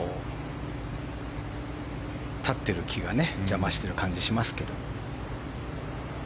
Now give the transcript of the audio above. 立ってる木が邪魔してる感じがしますけど。